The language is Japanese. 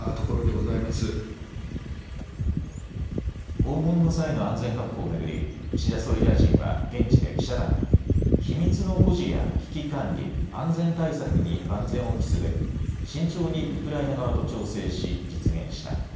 訪問の際の安全確保を巡り、岸田総理大臣は現地で記者団に、秘密の保持や危機管理、安全対策に万全を期すべく、慎重にウクライナ側と調整し、実現した。